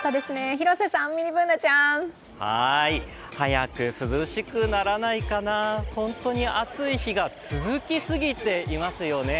広瀬さん、ミニＢｏｏｎａちゃん。早く涼しくならないかな、本当に暑い日が続きすぎていますよね。